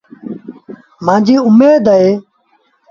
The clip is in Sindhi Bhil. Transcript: مآݩجيٚ اُميد اهي۔